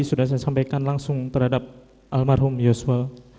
sudah saya sampaikan langsung terhadap almarhum yosua